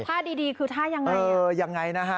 ท่าดีคือท่ายังไงเออยังไงนะฮะ